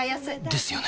ですよね